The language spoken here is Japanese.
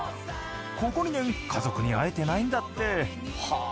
ここ２年家族に会えてないんだって。